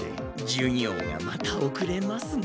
授業がまたおくれますね。